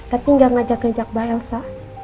tapi nggak ngajak ngajak mbak elsa